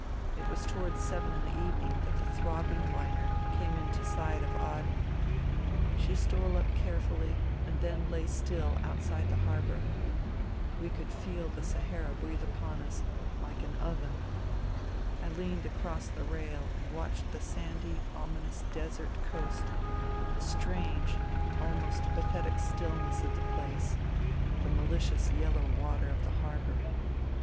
It was towards seven in the evening that the throbbing hner came into sight of Aden. She stole up carfifuUy, and then lay still outside the harbour. We could feel the Sahara breathe upon us, like an oven. I leaned across the rail and watched the sandy, ^* ominous desert coast, the strange, almost pathetic stillness of the place, the malicious yellow water of the harbour.